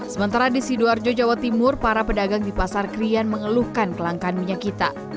sementara di sidoarjo jawa timur para pedagang di pasar krian mengeluhkan kelangkaan minyak kita